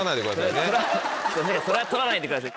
それは撮らないでください。